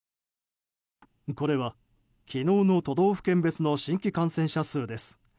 これは昨日の都道府県別の新規感染者数です。